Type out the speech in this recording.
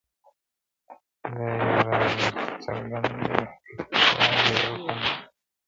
دا یو راز ورته څرګند دی که هوښیار دی او که نه دی -